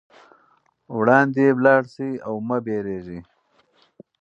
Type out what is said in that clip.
وړاندې لاړ شئ او مه وېرېږئ.